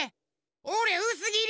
おれうすぎり！